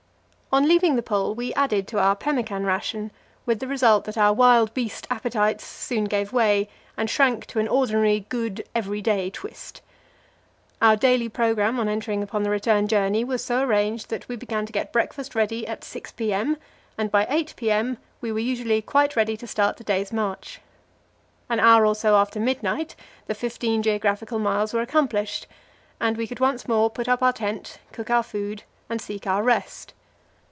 On leaving the Pole we added to our pemmican ration, with the result that our wild beast appetites soon gave way and shrank to an ordinary good, everyday twist. Our daily programme on entering upon the return journey was so arranged that we began to get breakfast ready at 6 p.m., and by 8 p.m. we were usually quite ready to start the day's march. An hour or so after midnight the fifteen geographical miles were accomplished, and we could once more put up our tent, cook our food, and seek our rest.